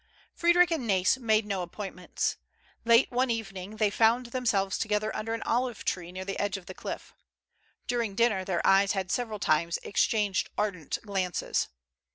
Frederic and Nais made no appointments. Late one evening they found themselves together under an olive tree, near the edge of the cliff. During dinner their eyes had several times exchanged ardent glances.